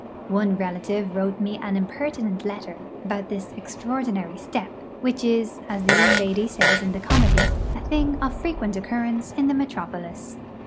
One relative wrote me an impertinent letter about this 'extraordinary step;' which is, as the young lady says in the comedy, 'a thing of frequent occurrence in the metropolis.'